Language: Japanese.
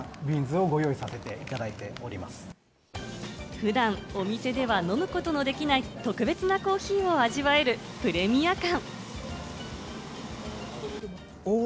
普段お店では飲むことのできない特別なコーヒーを味わえるプレミア感。